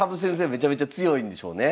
めちゃめちゃ強いんでしょうね。